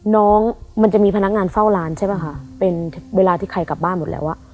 มันจะมีพนักงานเฝ้าร้านใช่ป่ะคะเป็นเวลาที่ใครกลับบ้านหมดแล้วอ่ะ